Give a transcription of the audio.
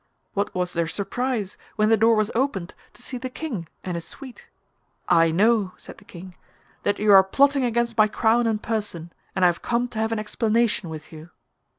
What was their surprise when the door was opened to see the King and his suite. 'I know,' said the King, 'that you are plotting against my crown and person, and I have come to have an explanation with you.